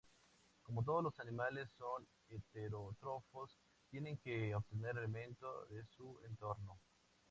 Como todos los animales son heterótrofos, tienen que obtener alimento de su entorno.